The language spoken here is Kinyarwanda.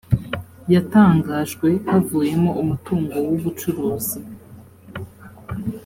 yatangajwe havuyemo umutungo w ubucuruzi